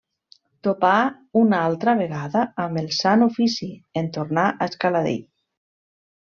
Topà una altra vegada amb el Sant Ofici en tornar a Escaladei.